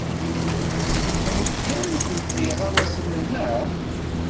Theyyamt-d iɣawasen, naɣ?